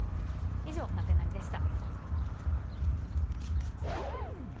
以上、ナゼナニっ？でした。